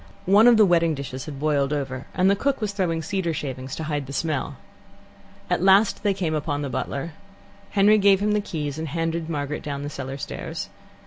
One of the wedding dishes had boiled over, and the cook was throwing cedar shavings to hide the smell. At last they came upon the butler. Henry gave him the keys, and handed Margaret down the cellar stairs.